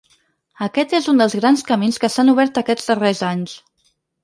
Aquest és un dels grans camins que s’han obert aquests darrers anys.